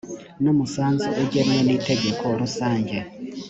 n umusanzu ugenwe n inteko rusange